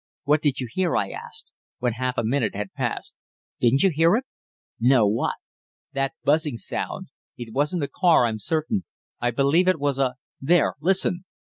"What did you hear?" I asked, when half a minute had passed. "Didn't you hear it?" "No. What?" "That buzzing sound. It wasn't a car, I'm certain. I believe it was a there, listen!"